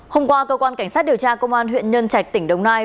hôm qua cơ quan cảnh sát điều tra công an huyện nhân trạch tỉnh đồng nai